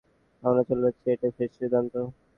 আমরা চলে যাচ্ছি এটাই শেষ সিদ্ধান্ত!